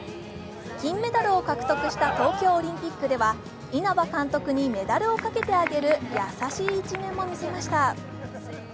金メダルを獲得した東京オリンピックでは稲葉監督にメダルをかけてあげる優しい一面も見せました。